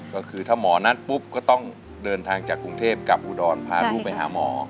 ก็คือถ้าหมอนัดปุ๊บก็ต้องเดินทางจากกรุงเทพกับอุดรพาลูกไปหาหมอ